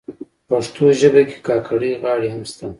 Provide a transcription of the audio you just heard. پښتو ژبه کي کاکړۍ غاړي هم سته.